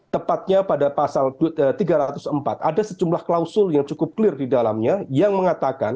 tepatnya pada pasal tiga ratus empat ada sejumlah klausul yang cukup clear di dalamnya yang mengatakan